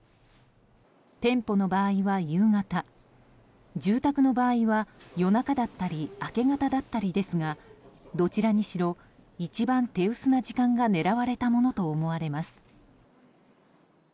店舗の場合は夕方住宅の場合は夜中だったり明け方だったりですがどちらにしろ一番手薄な時間が狙われたものとみられます。